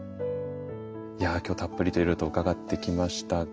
いや今日たっぷりといろいろと伺ってきました。